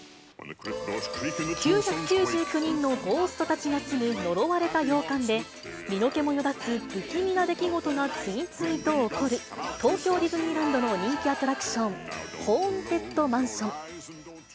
９９９人のゴーストたちが住む呪われた洋館で、身の毛もよだつ不気味な出来事が次々と起こる、東京ディズニーランドの人気アトラクション、ホーンテッドマンション。